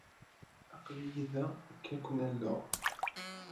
Aql-iyi da akken ad ken-alleɣ.